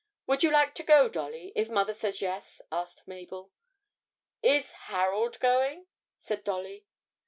'Would you like to go, Dolly, if mother says yes?' asked Mabel. 'Is Harold going?' said Dolly.